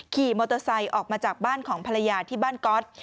ขี่มอเตอร์ไซค์ออกมาจากบ้านของภรรยาที่บ้านก๊อต